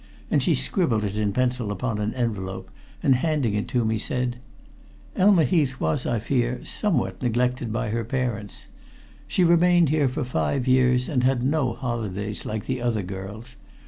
'" And she scribbled it in pencil upon an envelope, and handing it to me, said: "Elma Heath was, I fear, somewhat neglected by her parents. She remained here for five years, and had no holidays like the other girls.